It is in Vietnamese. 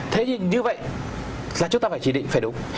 thế thì như vậy là chúng ta phải chỉ định phải đúng